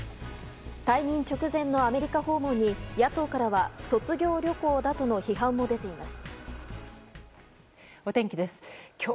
退任直前のアメリカ訪問に野党からは卒業旅行だとの批判も出ています。